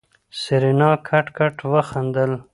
سېرېنا کټ کټ وخندل.